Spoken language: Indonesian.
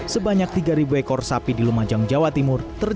sebanyak tiga ekor sapi di lumajang jawa timur